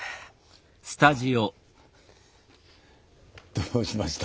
どうしました？